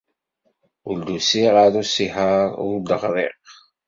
Ur d-usiɣ ɣer usihaṛ, ur d-ɣriɣ.